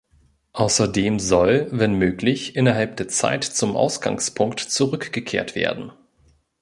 Außerdem soll, wenn möglich, innerhalb der Zeit zum Ausgangspunkt zurückgekehrt werden.